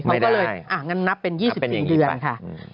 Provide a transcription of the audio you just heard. เขาก็เลยงั้นนับเป็น๒๔เดือนค่ะ